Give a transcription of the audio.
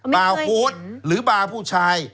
บาร์โฮดหรือบาร์ผู้ชาย